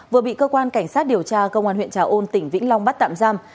vừa bị cơ quan cảnh sát điều tra công an huyện trà ôn tỉnh vĩnh long bắt tạm giam